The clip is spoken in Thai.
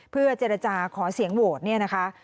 เพื่อเจรจาขอเสียงโหวตเนี่ยนะคะ